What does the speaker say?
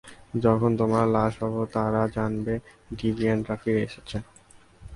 যখন তোমার লাশ পাবে, তারা জানবে ডিভিয়েন্টরা ফিরে এসেছে।